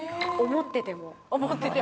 思ってても。